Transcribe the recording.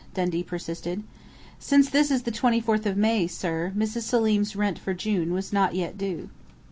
Dundee persisted. "Since this is the 24th of May, sir, Mrs. Selim's rent for June was not yet due."